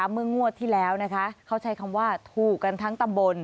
เมื่องวดที่แล้วเขาใช้คำว่าถูกกันทั้งตำบล